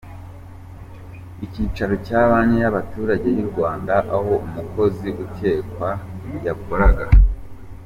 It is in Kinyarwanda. Icyicaro cya Banki y’Abaturage y’u Rwanda, aho umukozi ukekwa yakoraga.